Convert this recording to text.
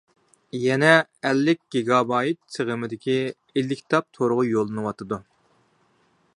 يەنە ئەللىك گىگابايت سىغىمدىكى ئېلكىتاب تورغا يوللىنىۋاتىدۇ.